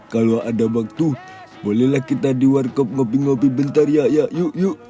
kalau ada waktu bolehlah kita diwarkop ngopi ngopi bentar ya ya yuk yuk